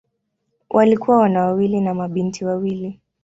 Walikuwa wana wawili na mabinti wawili.